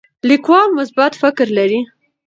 لیکوال مثبت فکر لري.